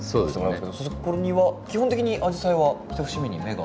そこには基本的にアジサイは１節目に芽が。